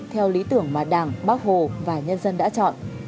theo lý tưởng mà đảng bác hồ và nhân dân đã chọn